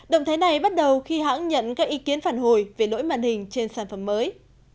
động thái này bắt đầu khi hãng nhận các ý kiến phản hồi về lỗi màn hình trên sản phẩm mới